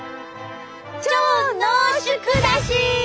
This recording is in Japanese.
超濃縮だし！